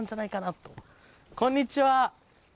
こんにちは。